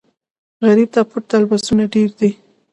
غریب ته پټ تسلونه ډېر دي